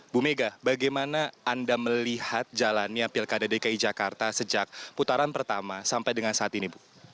bu mega bagaimana anda melihat jalannya pilkada dki jakarta sejak putaran pertama sampai dengan saat ini bu